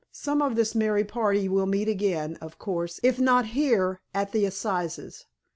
Some of this merry party will meet again, of course, if not here, at the Assizes.